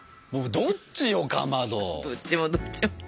どっちもどっちも。